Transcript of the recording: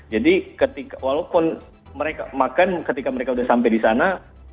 jadi ketika walaupun mereka makan ketika mereka sudah sampai di sana